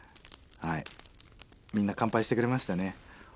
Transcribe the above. みんな乾杯してくれましたね？